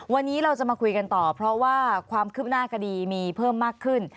วันนี้เราจะมาคุยกันต่อเพราะว่าความคืบหน้าคดีมีเพิ่มมากขึ้น